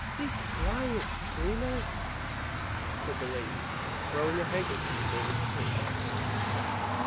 "Be quiet, screamer!" said the lady, throwing a hand kerchief over the cage.